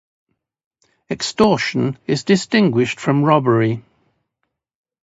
Extortion is distinguished from robbery.